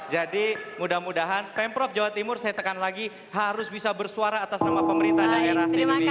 jadi mudah mudahan pemprov jawa timur saya tekan lagi harus bisa bersuara atas nama pemerintah dan daerah indonesia